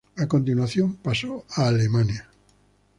A continuación, pasó a Alemania.